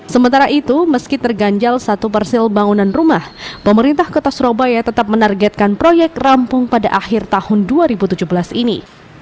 sementara itu meski terganjal satu persil bangunan rumah pemerintah kota surabaya tetap menargetkan proyek rampung pada akhir tahun dua ribu tujuh belas ini